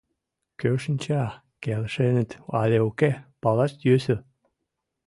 Кӧ шинча, келшеныт але уке, палаш йӧсӧ.